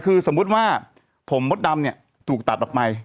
คือสมมุติว่าผมมดดำเนี่ยถูกตัดออกไป